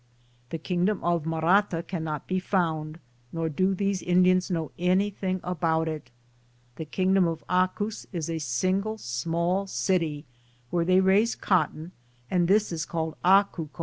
The kingdom of Marata can not be found, nor do these Indians know anything about it. The king dom of Acus is a single small city, where they raise cotton, and this is called Acucu.